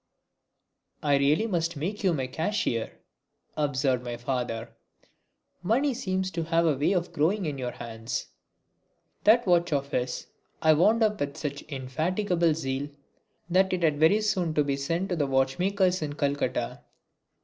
"I really must make you my cashier," observed my father. "Money seems to have a way of growing in your hands!" That watch of his I wound up with such indefatigable zeal that it had very soon to be sent to the watchmaker's in Calcutta.